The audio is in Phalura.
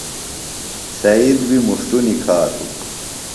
سعید بیۡ مُݜٹو نِکھاتُوۡ۔